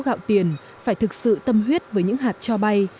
cải tiến phải thực sự tâm huyết với những hạt cho bay